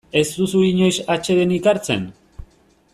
Ez duzu inoiz atsedenik hartzen?